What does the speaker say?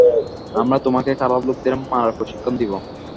আমরা তোমাকে খারাপ লোকেদের মারার প্রশিক্ষণ দিব।